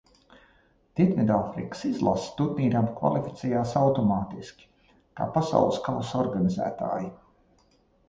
Dienvidāfrikas izlase turnīram kvalificējās automātiski, kā Pasaules kausa organizētāji.